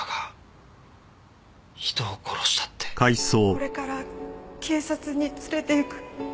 これから警察に連れていく。